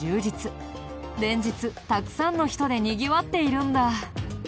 連日たくさんの人でにぎわっているんだ。